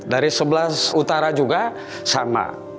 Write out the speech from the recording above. dari sebelah utara juga sama